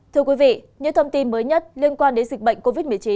thưa quý vị những thông tin mới nhất liên quan đến dịch bệnh covid một mươi chín